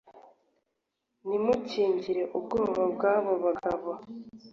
Nimukingire ubwoba bwabo bagabo